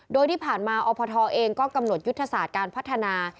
โดยที่ผ่านมาอพทเองก็กำหนดยุทธศาสตร์การพัฒนา